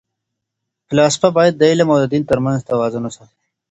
فلاسفه باید د علم او دین ترمنځ توازن وساتي.